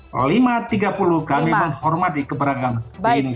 lima tiga puluh kami menghormati keberagaman